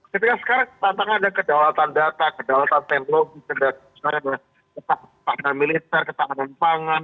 ketika sekarang tantangannya adalah kedalatan data kedalatan teknologi kedalatan militer ketahanan pangan